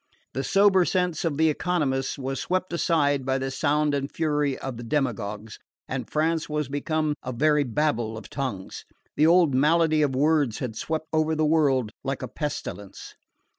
The sober sense of the economists was swept aside by the sound and fury of the demagogues, and France was become a very Babel of tongues. The old malady of words had swept over the world like a pestilence.